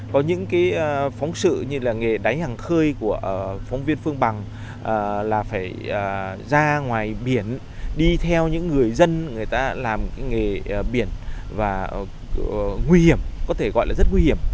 có những cái phóng sự như là nghề đánh hàng khơi của phóng viên phương bằng là phải ra ngoài biển đi theo những người dân người ta làm nghề biển và nguy hiểm có thể gọi là rất nguy hiểm